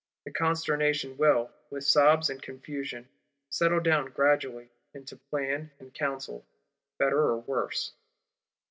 The consternation will, with sobs and confusion, settle down gradually, into plan and counsel, better or worse.